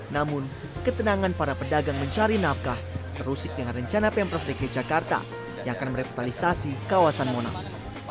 namun ketenangan para pedagang mencari nafkah terusik dengan rencana pemprov dki jakarta yang akan merevitalisasi kawasan monas